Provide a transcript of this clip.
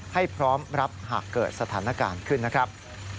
ให้พร้อมรับหากเกิดสถานการณ์ขึ้นนะครับ